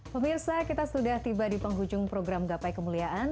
pemirsa kita sudah tiba di penghujung program gapai kemuliaan